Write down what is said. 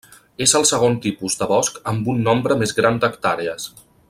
És el segon tipus de bosc amb un nombre més gran d'hectàrees.